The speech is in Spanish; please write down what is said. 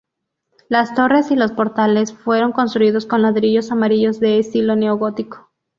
Las torres y los portales fueron construidos con ladrillos amarillos de estilo neogótico.